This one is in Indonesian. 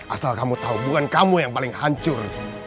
asal kamu tahu bukan kamu yang paling hancur